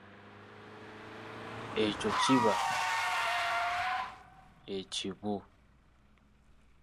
Ekyo kiba ekibu.